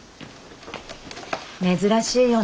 珍しいよね